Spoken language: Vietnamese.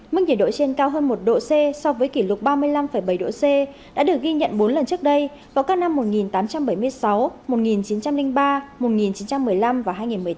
mức nhiệt độ trên cao hơn một độ c so với kỷ lục ba mươi năm bảy độ c đã được ghi nhận bốn lần trước đây vào các năm một nghìn tám trăm bảy mươi sáu một nghìn chín trăm linh ba một nghìn chín trăm một mươi năm và hai nghìn một mươi tám